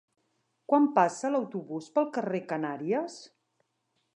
Quan passa l'autobús pel carrer Canàries?